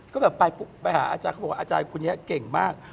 ก็แบบไปหาอาจารย์เขาบอกว่าอาจารย์คุณเนี้ยเก่งมาก